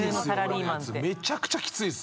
めちゃくちゃきついっす。